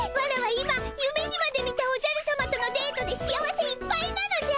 今夢にまで見たおじゃるさまとのデートで幸せいっぱいなのじゃ！